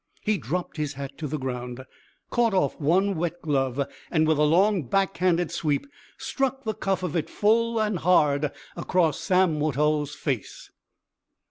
He dropped his hat to the ground, caught off one wet glove, and with a long back handed sweep struck the cuff of it full and hard across Sam Woodhull's face.